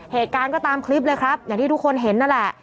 เหตุการณ์ก็ตามคลิปเลยครับอย่างที่ทุกคนเห็นนั่นแหละ